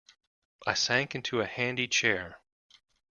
I sank into a handy chair.